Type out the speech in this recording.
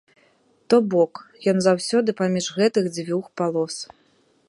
То бок, ён заўсёды паміж гэтых дзвюх палос.